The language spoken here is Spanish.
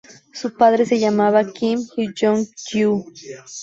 Su padre se llamaba Kim Hyeong-gyu.